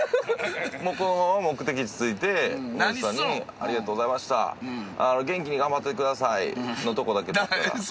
もうこのまま目的地着いて森田さんに「ありがとうございました。元気に頑張ってください」のとこだけ撮ったら。